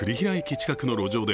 近くの路上で